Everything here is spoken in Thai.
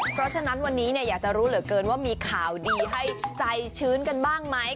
เพราะฉะนั้นวันนี้อยากจะรู้เหลือเกินว่ามีข่าวดีให้ใจชื้นกันบ้างไหม